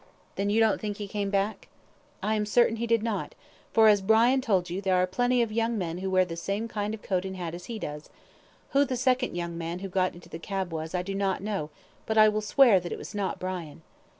"Then you don't think he came back." "I am certain he did not, for, as Brian told you, there are plenty of young men who wear the same kind of coat and hat as he does. Who the second man who got into the cab was I do not know, but I will swear that it was not Brian."